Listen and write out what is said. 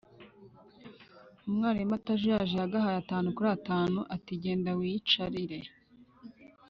umwalimu atajuyaje yagahaye atanu kuri atanu ati genda wiyicarire.